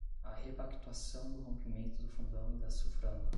A repactuação do rompimento do Fundão e da Suframa